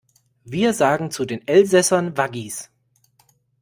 Wir sagen zu den Elsässern Waggis.